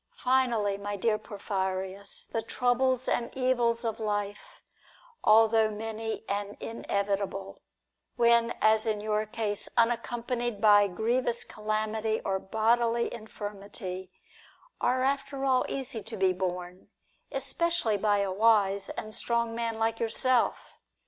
Finally, my dear Porphyrins, the troubles and evils of life, although many and inevitable, when, as in your case, unaccompanied by grievous calamity or bodily infirmity, are after all easy to be borne, especially by a wise and strong man like yourself.